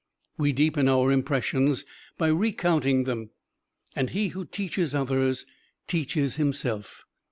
We deepen our impressions by recounting them, and he who teaches others teaches himself.